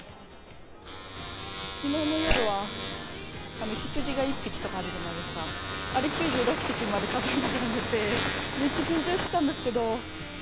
昨日の夜は、羊が１匹とかあるじゃないですか、あれ９６匹まで数えてから寝て、めっちゃ緊張してたんですけど。